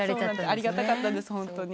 ありがたかったです。